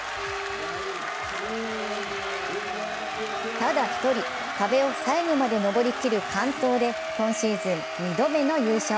ただ１人、壁を最後まで登り切る完登で今シーズン２度目の優勝。